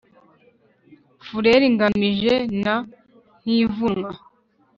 fureri ngamije na ntivunwa